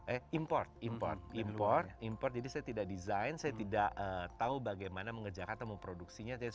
eh import import impor impor jadi saya tidak desain saya tidak tahu bagaimana mengerjakan atau memproduksinya